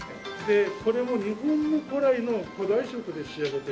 これも日本の古来の古代色で仕上げているもので。